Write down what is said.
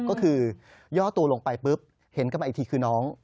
ก็คือย่อตัวลงไปปุ๊บเห็นกลับมาอีกทีคือน้อง